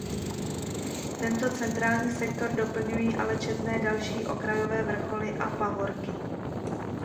Tento centrální sektor doplňují ale četné další okrajové vrcholy a pahorky.